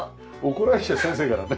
怒られちゃう先生からね。